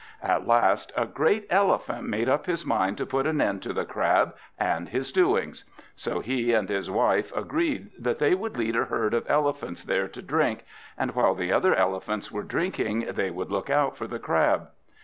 At last a great Elephant made up his mind to put an end to the Crab and his doings. So he and his wife agreed that they would lead a herd of elephants there to drink, and while the other elephants were drinking, they would look out for the Crab.